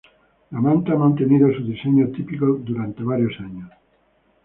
La manta ha mantenido su diseño típico por varios años.